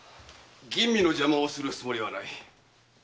吟味の邪魔をするつもりはない。